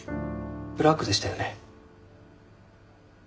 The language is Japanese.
ブラックでしたよね。